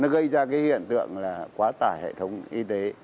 gây ra cái hiện tượng là quá tải hệ thống y tế